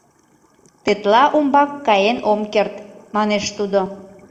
— Тетла умбак каен ом керт, — манеш тудо.